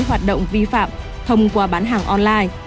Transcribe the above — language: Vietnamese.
hoạt động vi phạm thông qua bán hàng online